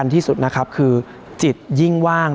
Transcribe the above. ที่สุดนะครับคือจิตยิ่งว่าง